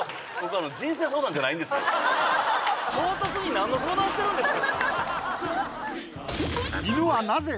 ここあの唐突に何の相談してるんですかなぜ